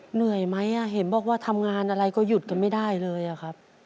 เหนื่อยไหมเห็นบอกว่าทำงานอะไรก็หยุดกันไม่ได้เลยอะครับ